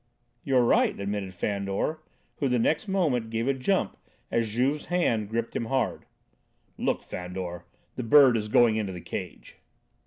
"You are right," admitted Fandor, who, the next moment, gave a jump as Juve's hand gripped him hard. "Look, Fandor! The bird is going into the cage!"